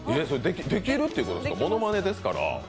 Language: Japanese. できるってことですかものまねですから。